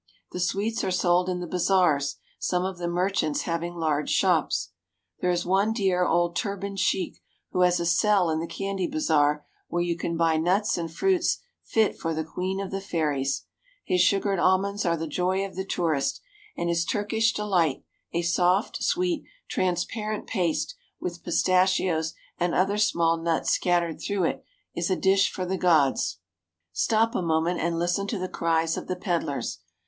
The sweets are sold in the bazaars, some of the merchants having large shops. There is one dear old turbaned sheik who has a cell in the candy bazaar where you can buy nuts and fruits fit for the queen of the fairies. His sugared almonds are 218 SHOPPING IN STREET CALLED STRAIGHT the joy of the tourist, and his Turkish delight, a soft, sweet, transparent paste, with pistachios and other small nuts scattered through it, is a dish for the gods. Stop a moment and listen to the cries of the pedlars.